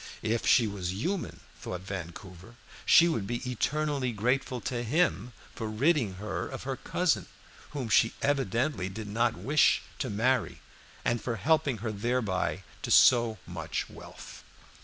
If she was human, thought Vancouver, she would be eternally grateful to him for ridding her of her cousin, whom she evidently did not wish to marry, and for helping her thereby to so much wealth.